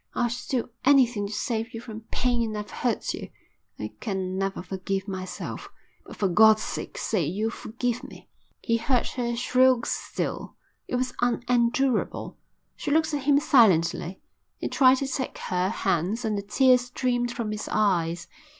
I'd do anything to save you from pain and I've hurt you. I can never forgive myself, but for God's sake say you forgive me." He heard her shrieks still. It was unendurable. She looked at him silently. He tried to take her hands and the tears streamed from his eyes.